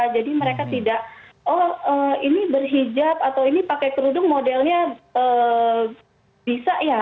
jadi mereka tidak oh ini berhijab atau ini pakai kerudung modelnya bisa ya